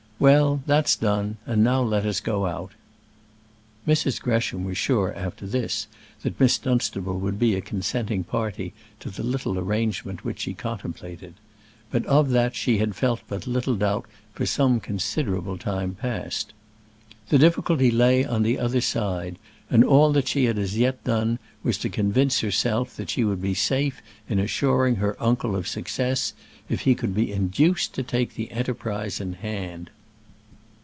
Well, that's done; and now let us go out." Mrs. Gresham was sure after this that Miss Dunstable would be a consenting party to the little arrangement which she contemplated. But of that she had felt but little doubt for some considerable time past. The difficulty lay on the other side, and all that she had as yet done was to convince herself that she would be safe in assuring her uncle of success if he could be induced to take the enterprise in hand.